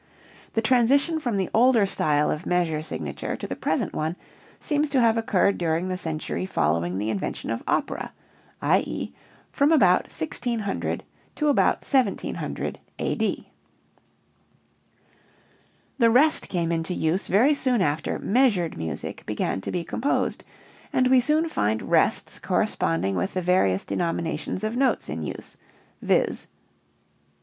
The transition from the older style of measure signature to the present one seems to have occurred during the century following the invention of opera, i.e., from about 1600 to about 1700 A.D. The rest came into use very soon after "measured music" began to be composed and we soon find rests corresponding with the various denominations of notes in use, viz.